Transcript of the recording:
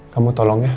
kamu tolong ya